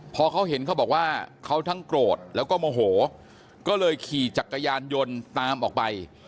พอเขาเห็นเขาบอกว่าเขาทั้งโกรธแล้วก็โมโหก็เลยขี่จักรยานยนต์ตามออกไป